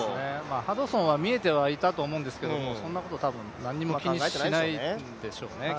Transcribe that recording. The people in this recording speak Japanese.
ハドソンは見えてはいたと思うんですけど、そんなこと多分、何も気にしないんでしょうね。